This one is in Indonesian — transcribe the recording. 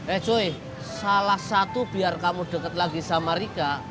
eh joy salah satu biar kamu deket lagi sama rika